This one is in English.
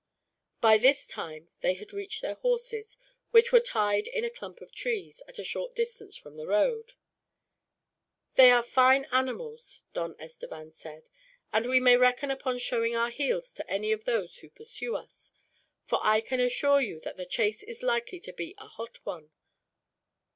By this time they had reached their horses, which were tied in a clump of trees, at a short distance from the road. "They are fine animals," Don Estevan said, "and we may reckon upon showing our heels to any of those who pursue us; for I can assure you that the chase is likely to be a hot one."